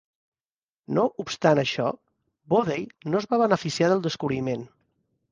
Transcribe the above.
No obstant això, Bodey no es va beneficiar del descobriment.